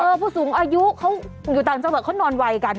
ผู้สูงอายุเขาอยู่ต่างจังหวัดเขานอนไวกัน